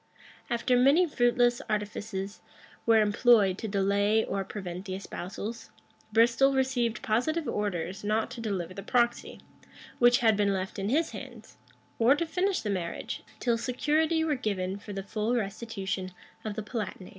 After many fruitless artifices were employed to delay or prevent the espousals, Bristol received positive orders not to deliver the proxy, which had been left in his hands, or to finish the marriage, till security were given for the full restitution of the Palatinate.